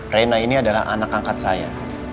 rena ini adalah anak angkat saya